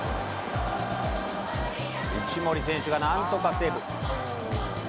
一森選手がなんとかセーブ。